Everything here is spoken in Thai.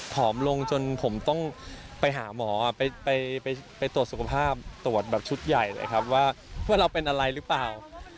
ผอมลงจนผมต้องไปหาหมอไปตรวจสุขภาพตรวจแบบชุดใหญ่เลยครับว่าเพื่อนเราเป็นอะไรหรือเปล่า